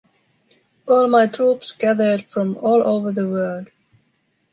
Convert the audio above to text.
All my troops gathered from all over the world.